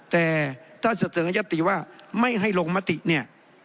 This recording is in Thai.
แต่ถ้าเสนอยัตติว่าไม่ให้ลงมติเนี่ย